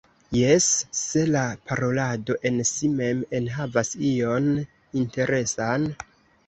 Jes, se la parolado en si mem enhavas ion interesan?